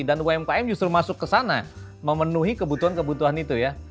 umkm justru masuk ke sana memenuhi kebutuhan kebutuhan itu ya